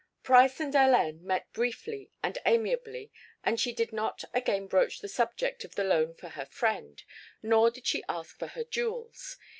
Price and Hélène met briefly and amiably and she did not again broach the subject of the loan for her friend, nor did she ask for her jewels.